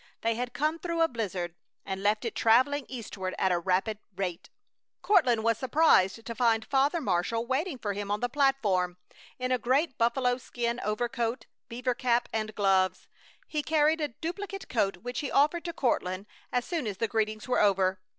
They had come through a blizzard and left it traveling eastward at a rapid rate. Courtland was surprised to find Father Marshall waiting for him on the platform, in a great buffalo skin overcoat, beaver cap, and gloves. He carried a duplicate coat which he offered to Courtland as soon as the greetings were over.